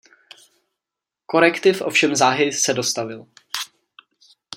Korektiv ovšem záhy se dostavil.